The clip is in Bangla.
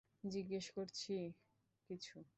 জিজ্ঞেস করছি কিছু।